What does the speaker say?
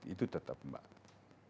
itu tetap mbak